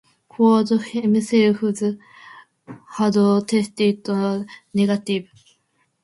Ford himself had tested negative.